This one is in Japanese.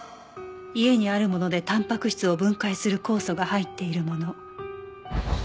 家にあるものでタンパク質を分解する酵素が入っているもの